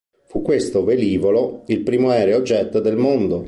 Fu questo velivolo il primo aereo jet del mondo.